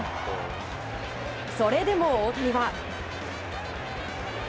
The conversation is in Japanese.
それでも大谷は。